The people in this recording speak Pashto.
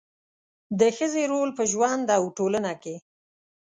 د ښځې رول په ژوند او ټولنه کې